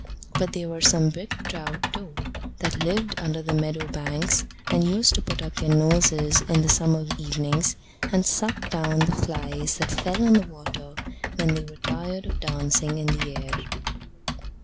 But there were some big trout, too, that lived under the meadow banks, and used to put up their noses in the summer evenings, and suck down the flies that fell on the water when they were tired of dancing in the air.